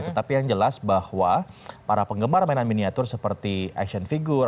tetapi yang jelas bahwa para penggemar mainan miniatur seperti action figure